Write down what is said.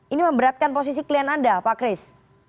ini memberatkan posisi klien anda pak kris